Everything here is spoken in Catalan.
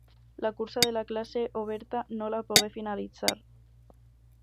La cursa de la classe oberta no la pogué finalitzar.